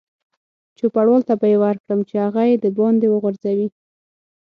چوپړوال ته به یې ورکړم چې هغه یې دباندې وغورځوي.